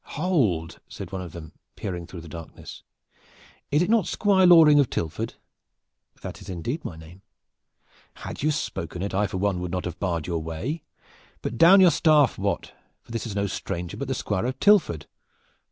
"Hold!" said one of them, peering through the darkness, "is it not Squire Loring of Tilford?" "That is indeed my name." "Had you spoken it I for one would not have stopped your way. Put down your staff, Wat, for this is no stranger, but the Squire of Tilford."